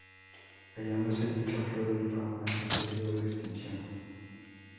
Hallándose dicha flora y fauna en peligro de extinción.